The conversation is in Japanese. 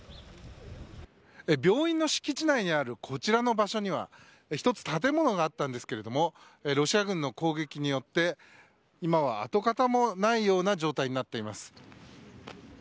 病院の敷地内にあるこちらの場所には１つ、建物があったんですがロシア軍の攻撃によって今は跡形もないような状態になっています。